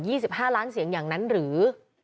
มันสำคัญกว่า๒๕ล้านเสียงอย่างนั้นหรือ